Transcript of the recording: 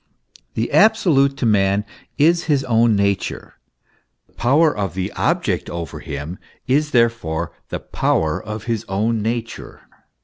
The absolute to man is his own nature. The power of the object over him is therefore the power of his own nature.